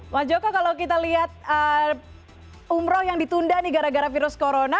pak joko kalau kita lihat umroh yang ditunda nih gara gara virus corona